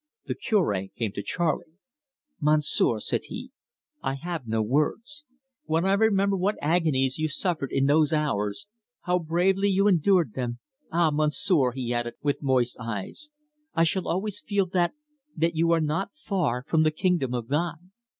The Cure came to Charley. "Monsieur," said he, "I have no words. When I remember what agonies you suffered in those hours, how bravely you endured them ah, Monsieur!" he added, with moist eyes, "I shall always feel that that you are not far from the kingdom of God."